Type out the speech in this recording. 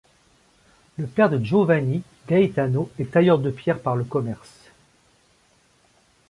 Le père de Giovanni, Gaetano, est tailleur de pierres par le commerce.